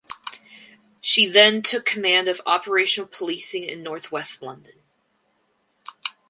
She then took command of operational policing in North West London.